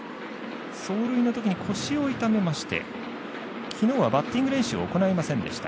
走塁の時に腰を痛めまして昨日はバッティング練習を行いませんでした。